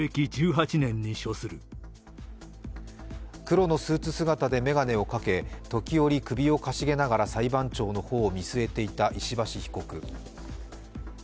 黒のスーツ姿で眼鏡をかけ、時折、首をかしげながら裁判長の方を見据えていた石橋被告。